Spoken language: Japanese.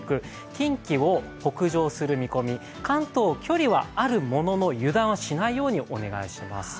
近畿を北上する見込み関東、距離はあるものの油断はしないようにお願いします。